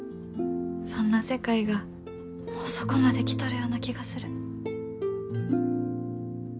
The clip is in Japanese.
そんな世界がもうそこまで来とるような気がする。